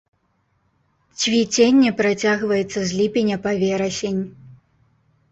Цвіценне працягваецца з ліпеня па верасень.